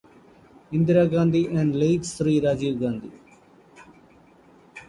Indira Gandhi and Late Shri Rajiv Gandhi.